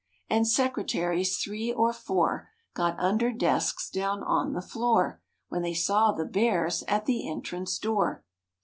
And secretaries, three or four, Got under desks down on the floor When they saw the Bears at the entrance door.